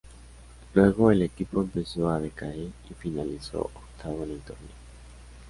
Luego el equipo empezó a decaer y finalizó octavo en el torneo.